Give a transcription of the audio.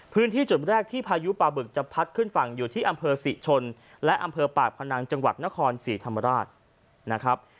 พื้นที่จุดแรกที่พายุปลาบึกจะพัดขึ้นฝั่งอยู่ที่อำเภอศรีชนและอำเภอปากพนังจังหวัดนครศรีธรรมราชนะครับ